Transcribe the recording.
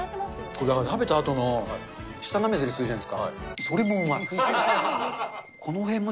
食べたあとの舌なめずりするじゃないですか、それもうまい。